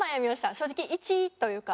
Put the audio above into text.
正直１位というか。